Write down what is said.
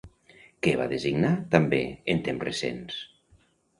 Què va designar, també, en temps recents?